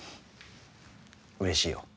うれしいよ。